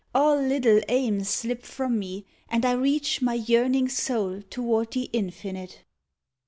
All little aims slip from me, and I reach My yearning soul toward the Infinite.